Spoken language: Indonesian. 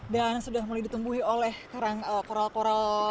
dan sudah mulai ditemui oleh karang koral koral